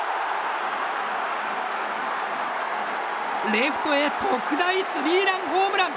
レフトへ特大スリーランホームラン！